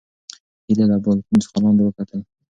هیلې له بالکن څخه لاندې وکتل.